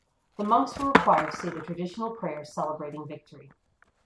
The monks were required to say the traditional prayer celebrating victory.